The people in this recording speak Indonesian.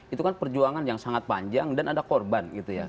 itu kan perjuangan yang sangat panjang dan ada korban gitu ya